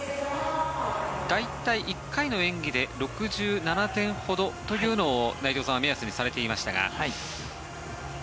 大体１回の演技で６７点ほどというのを内藤さんは目安にされていましたが。